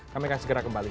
kami akan segera kembali